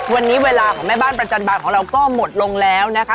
วันนี้เวลาของแม่บ้านประจันบาลของเราก็หมดลงแล้วนะคะ